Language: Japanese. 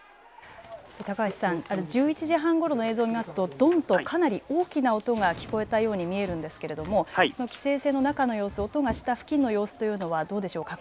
高橋さん、１１時半ごろの映像を見ると、どんとかなり大きな音が聞こえたように見えるんですが、その規制線の中の様子、音がした付近の様子というのはどうでしょうか。